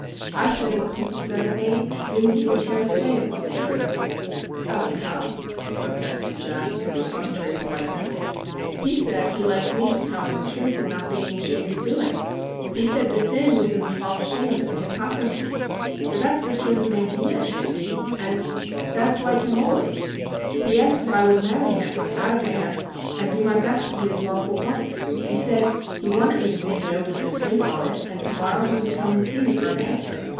I said what people said of me, and didn't even care to say it wasn't true !'' Oh, come !' protested Jack, in perfunctory politeness. * He said he liked me for telling the truth, MR. JACK HAMLIN'S MEDIATION 17 and not being ashamed to do it ! He said the sin was in the false shame and the hypo crisy for that's the sort of man he is, you see, and that's like him always! He asked if I would marry him out of hand and do my best to be his lawful wife. He said he wanted me to think it over and sleep on it, and to morrow he would come and see me for an answer.